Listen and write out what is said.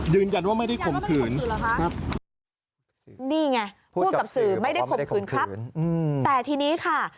ยืนยันว่าไม่ได้ข่มขืนนี่ไงพูดกับสื่อไม่ได้ข่มขืนครับแต่ทีนี้ค่ะ